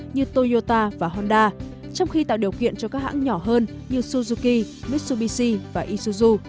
như toyota và honda trong khi tạo điều kiện cho các hãng nhỏ hơn như suzuki mitsubishi và isuzu